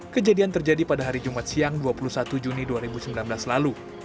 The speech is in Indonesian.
kejadian terjadi pada hari jumat siang dua puluh satu juni dua ribu sembilan belas lalu